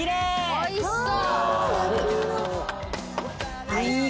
おいしそう。